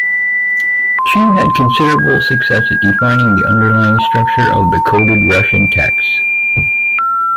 Chew had considerable success at defining the underlying structure of the coded Russian texts.